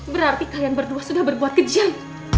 berarti kalian berdua sudah berbuat kejam